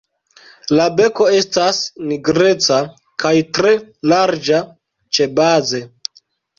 La beko estas nigreca kaj tre larĝa ĉebaze.